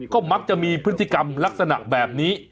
ก็มักจะมีพฤติกรรมลักษณะแบบนี้